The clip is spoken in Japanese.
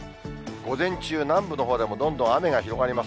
午前中、南部のほうでもどんどん雨が広がります。